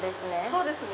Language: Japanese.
そうですね。